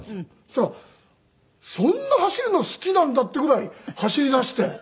そしたらそんな走るの好きなんだっていうぐらい走り出して。